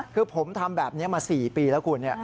คือผมทำแบบนี้มา๔ปีแล้วคุณ